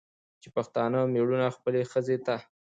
چې پښتانه مېړونه خپلې ښځې ته